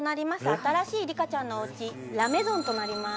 新しいリカちゃんのお家ラ・メゾンとなります。